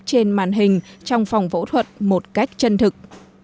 trên màn hình trong phòng phẫu thuật một cách chân thực